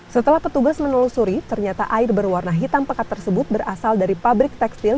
setelah petugas menelusuri ternyata air berwarna hitam pekat tersebut berasal dari pabrik tekstil